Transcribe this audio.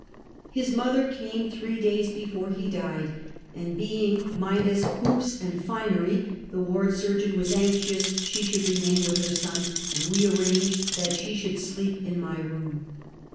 His mother came three days before he died, and be ing minus hoops and finery, the ward surgeon was anxious she should remain with her son, and we arranged that she should sleep in my room.